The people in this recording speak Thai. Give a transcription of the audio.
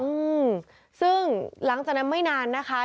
อืมซึ่งหลังจากนั้นไม่นานนะคะ